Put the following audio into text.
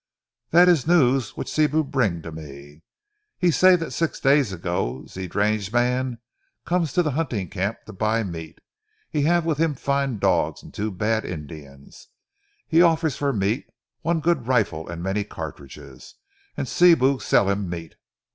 "Dat is ze news which Sibou bring to me. He say dat six days ago, ze stranger mans come to ze hunting camp to buy meat. He have with him fine dogs and two bad Indians. He offer for meat one good rifle and many cartridges, an' Sibou sell him meat.